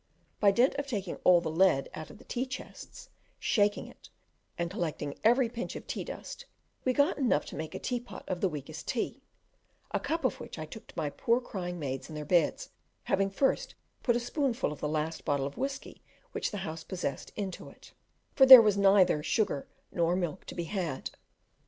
By dint of taking all the lead out of the tea chests, shaking it, and collecting every pinch of tea dust, we got enough to make a teapot of the weakest tea, a cup of which I took to my poor crying maids in their beds, having first put a spoonful of the last bottle of whisky which the house possessed into it, for there was neither, sugar nor milk to be had.